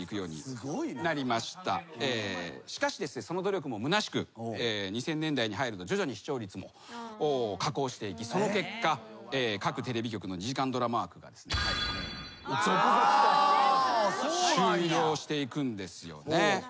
しかしその努力もむなしく２０００年代に入ると徐々に視聴率も下降していきその結果各テレビ局の２時間ドラマ枠がですねこのように続々と終了していくんですよね。